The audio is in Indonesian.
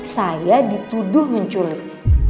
saya dituduh menculik